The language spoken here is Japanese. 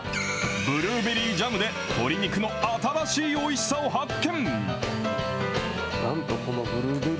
ブルーベリージャムで、鶏肉の新しいおいしさを発見。